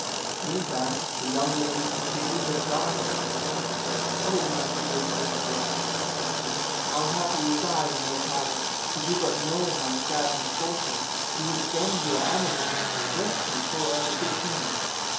Meantime the young lady continued her cries and complaints: "Oh my dear princess," said she, "how happy was I in your palace! Did you but know my sad misfortune, you would send your Amazons to rescue poor Abricotina."